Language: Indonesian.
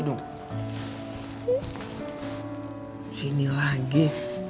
di sini lagi